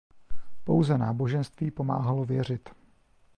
Pouze náboženství pomáhalo věřit.